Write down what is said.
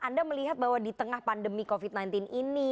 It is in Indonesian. anda melihat bahwa di tengah pandemi covid sembilan belas ini